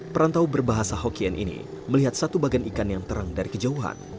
perantau berbahasa hokian ini melihat satu bagian ikan yang terang dari kejauhan